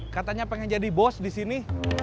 katanya pengen jadi bos disini